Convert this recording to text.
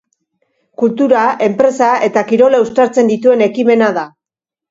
Kultura, enpresa eta kirola uztartzen dituen ekimena da.